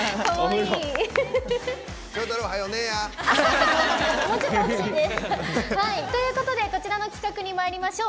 笑太郎、早よ寝えや。ということで、こちらも企画にまいりましょう。